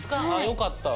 よかった。